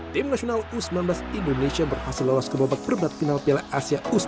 tim nasional u sembilan belas indonesia berhasil lolos ke babak perempat final piala asia u sembilan belas